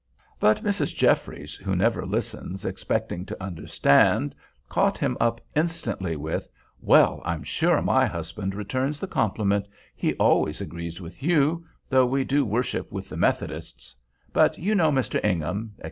But Mrs. Jeffries, who never listens expecting to understand, caught him up instantly with, "Well, I'm sure my husband returns the compliment; he always agrees with you—though we do worship with the Methodists—but you know, Mr. Ingham," etc.